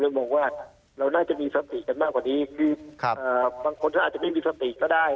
คือบางคนอาจจะไม่มีสติก็ได้